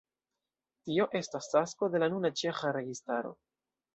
Tio estas tasko de la nuna ĉeĥa registaro.